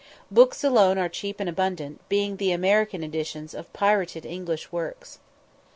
Books alone are cheap and abundant, being the American editions of pirated English works.